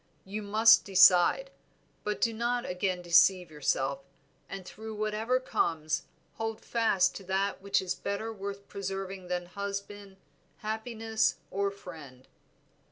You must decide, but do not again deceive yourself, and through whatever comes hold fast to that which is better worth preserving than husband, happiness, or friend."